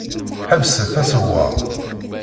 Ḥebset aṣewwer!